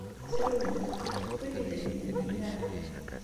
Trewlem, tewwim idrimen-nni, naɣ?